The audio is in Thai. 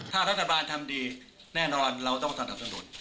ถ้ารัฐบาลทำดีแน่นอนเราต้องสนับสนุน